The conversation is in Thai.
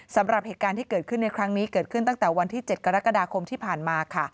สำหรับเหตุการณ์ที่เกิดขึ้นในครั้งนี้เกิดขึ้นตั้งแต่วันที่๗กรกฎาคมที่ผ่านมาค่ะ